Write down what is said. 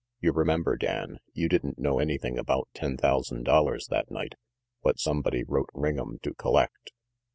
You remember, Dan, you didn't know anything about ten thousand dollars that night, what somebody wrote Ring'em to collect?"